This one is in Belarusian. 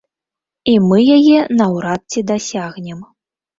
І мы яе наўрад ці дасягнем.